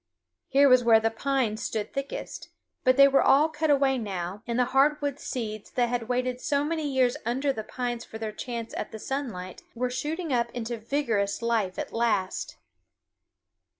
Here was where the pines stood thickest; but they were all cut away now, and the hardwood seeds that had waited so many years under the pines for their chance at the sunlight were shooting up into vigorous life at last.